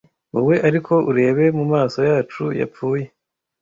Wowe ariko urebe mumaso yacu yapfuye,